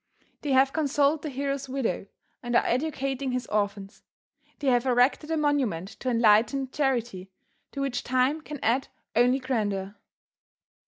They have consoled the hero's widow and are educating his orphans. They have erected a monument to enlightened charity to which time can add only grandeur.